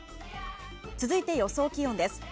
続いて、予想気温です。